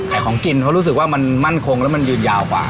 ของกินเพราะรู้สึกว่ามันมั่นคงแล้วมันยืนยาวกว่า